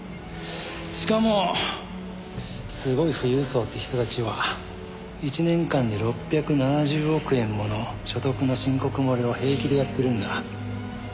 しかもすごい富裕層って人たちは１年間で６７０億円もの所得の申告漏れを平気でやってるんだ。